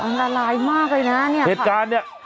โอ้โฮอาการลายมากเลยนะเนี้ยก็เนี้ยเหตุการณ์เนี้ย